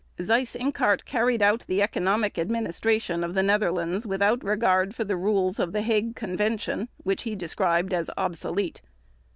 Seyss Inquart carried out the economic administration of the Netherlands without regard for rules of the Hague Convention, which he described as obsolete.